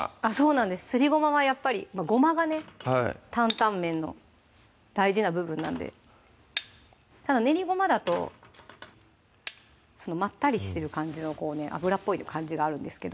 なんですすりごまはやっぱりごまがね担々麺の大事な部分なんでただ練りごまだとそのまったりしてる感じの油っぽい感じがあるんですけど